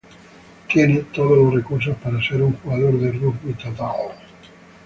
Tiene todos los recursos para ser un jugador de rugby total.